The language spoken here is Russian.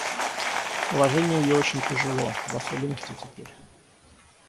Положение ее очень тяжело, в особенности теперь.